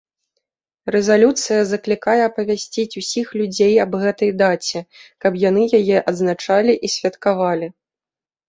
Рэзалюцыя заклікае апавясціць усіх людзей аб гэтай даце, каб яны яе адзначалі і святкавалі.